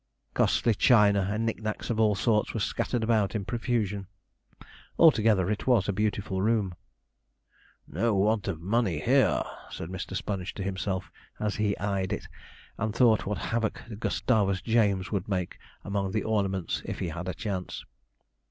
Costly china and nick nacks of all sorts were scattered about in profusion. Altogether, it was a beautiful room. 'No want of money here,' said Mr. Sponge to himself, as he eyed it, and thought what havoc Gustavus James would make among the ornaments if he had a chance.